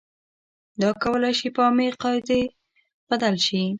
دا کولای شي په عامې قاعدې بدل شي.